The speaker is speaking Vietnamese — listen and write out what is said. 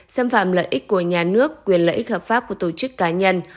xâm phạm lợi ích của nhà nước quyền lợi ích hợp pháp của tổ chức cá nhân